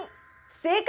正解！